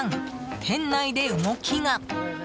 店内で動きが。